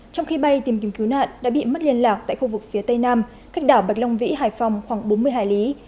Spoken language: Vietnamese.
trong khi bay tìm kiếm cứu nạn đã bị mất liên lạc tại khu vực phía tây nam cách đảo bạch long vĩ hải phòng khoảng bốn mươi hải lý